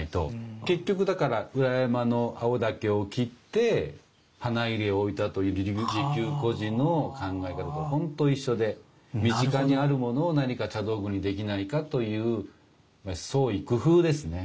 結局だから裏山の青竹を切って花入を置いたという利休居士の考え方と本当一緒で身近にあるものを何か茶道具にできないかという創意工夫ですね。